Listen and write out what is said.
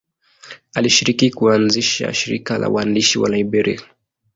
Alishiriki kuanzisha shirika la waandishi wa Liberia.